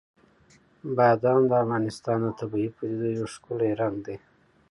بادام د افغانستان د طبیعي پدیدو یو ښکلی رنګ دی.